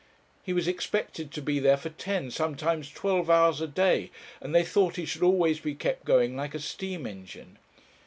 He was expected to be there for ten, sometimes twelve, hours a day; and they thought he should always be kept going like a steam engine.